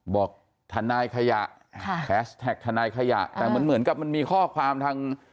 บอกทนายขยะแฮชแท็กทนายขยะแต่เหมือนกับมันมีข้อความทาง